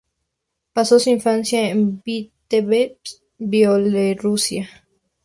Pasó su infancia en Vítebsk, Bielorrusia.